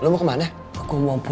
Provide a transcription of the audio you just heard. mas kalau gorengnya